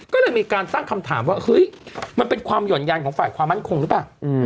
ก็เลยมีการตั้งคำถามว่าเฮ้ยมันเป็นความหย่อนยันของฝ่ายความมั่นคงหรือเปล่า